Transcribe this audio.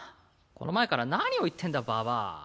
この前から何を言ってんだババア。